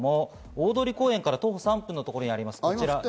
大通公園から徒歩３分のところにあります。